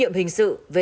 lê hàn á